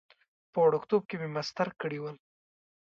په وړکتوب کې مې مسطر کړي ول.